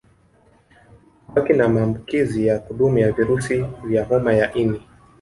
Hubaki na maambukizi ya kudumu ya virusi vya homa ya ini